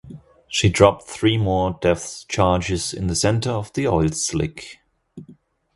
She dropped three more depth charges in the center of the oil slick.